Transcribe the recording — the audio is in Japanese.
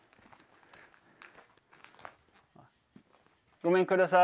ごめんください。